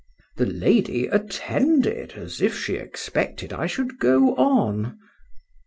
The lady attended as if she expected I should go on.